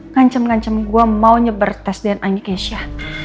ngancam ngancam gue mau nyebar tes dna nya ke asia